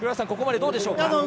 ここまでどうでしょうか？